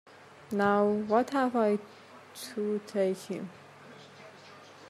Now, what have I to take him?